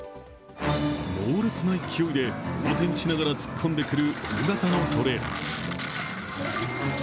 猛烈な勢いで横転しながら突っ込んでくる大型のトレーラー。